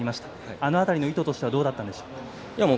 あの辺りの意図としてはどうだったんでしょう。